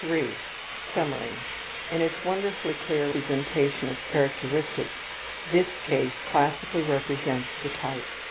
CASE 3 Summary: In its wonderfully clear presentation of characteristics this case classically represents the type.